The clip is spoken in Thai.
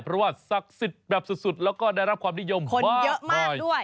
เพราะว่าศักดิ์สิทธิ์แบบสุดแล้วก็ได้รับความนิยมคนเยอะมากด้วย